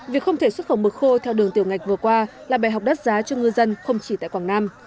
việc không thể xuất khẩu mực khô theo đường tiểu ngạch vừa qua là bài học đắt giá cho ngư dân không chỉ tại quảng nam